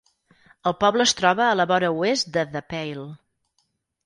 El poble es troba a la vora oest de The Pale.